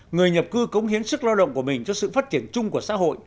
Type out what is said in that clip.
người nhập cư cống hiến sức lao động của mình cho sự phát triển chung của xã hội